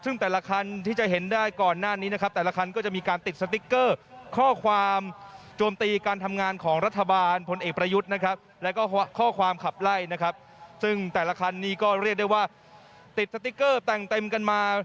นี่ก็เรียกได้ว่าติดสติ๊กเกอร์แต่งเต็มกันมา